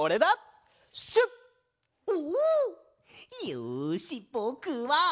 よしぼくは！